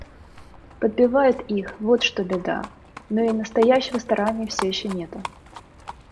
Подбивают их, вот что беда; ну, и настоящего старания все еще нету.